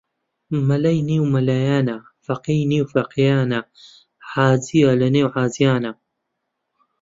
مەلای نێو مەلایانە فەقێی نێو فەقێیانە حاجیە لە نێو حاجیانە